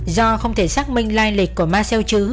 do không thể xác minh lai lịch của marcel trứ